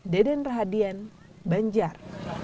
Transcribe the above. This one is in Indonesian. deden rahadian banjar